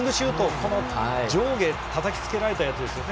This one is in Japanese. この上下たたきつけられたやつですよね。